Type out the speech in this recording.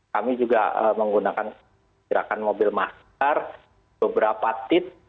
kami juga menggunakan gerakan mobil masker beberapa tip